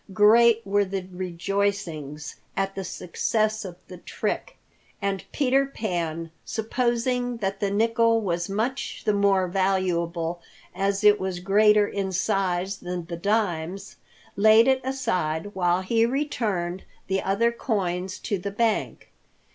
Great were the rejoicings at the success of the trick, and Peter Pan, supposing that the nickel was much the more valuable as it was greater in size than the dimes, laid it aside while he returned the other coins to the bank.